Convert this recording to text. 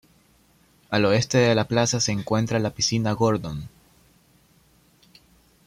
Al oeste de la plaza se encuentra la piscina Gordon.